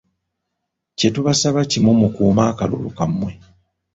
Kye tubasaba kimu mukuume akalulu kammwe.